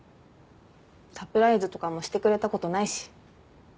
サプライズとかもしてくれたことないし。